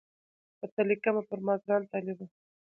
درته لیکمه پر ما ګران طالبه